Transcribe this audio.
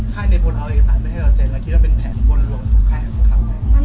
ท่ายในบนเอาเอกสารไปให้เราเซ็นคิดว่าเป็นแผนบนหลวงทุกแพทย์หรือครับ